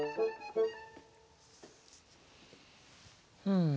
うん。